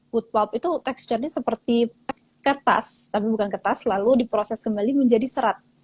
food pop itu teksturnya seperti kertas tapi bukan kertas lalu diproses kembali menjadi serat